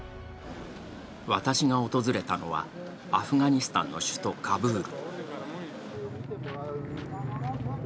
私が訪れたのは、アフガニスタンの首都カブール。